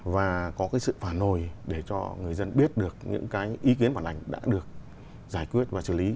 và có cái sự phản hồi để cho người dân biết được những cái ý kiến phản ảnh đã được giải quyết và xử lý